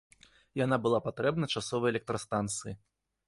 Яна была патрэбна часовай электрастанцыі.